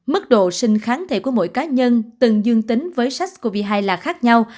mức độ sinh kháng thể của mỗi cá nhân từng dương tính với sars cov hai là khác nhau